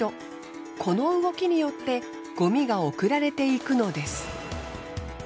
この動きによってごみが送られていくのです。